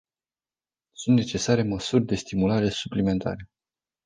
Sunt necesare măsuri de stimulare suplimentare.